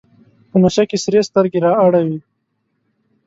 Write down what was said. په نشه کې سرې سترګې رااړوي.